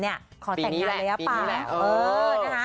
ขอแต่งงานเลยหรือเปล่าปีนี้แหละปีนี้แหละ